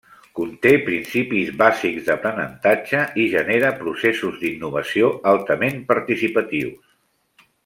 Conté principis bàsics d'aprenentatge i genera processos d'innovació altament participatius.